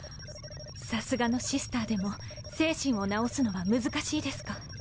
さすがのシスターでも精神を治すのは難しいですか。